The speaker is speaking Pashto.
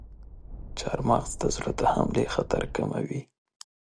چارمغز د زړه د حملې خطر کموي.